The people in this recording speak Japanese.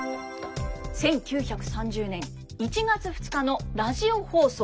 １９３０年１月２日のラジオ放送。